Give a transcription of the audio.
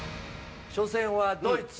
初戦はドイツ。